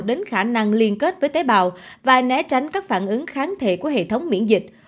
đến khả năng liên kết với tế bào và né tránh các phản ứng kháng thể của hệ thống miễn dịch